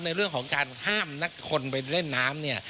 ในเรื่องของการห้ามนักคนไปเล่นน้ำเนี่ย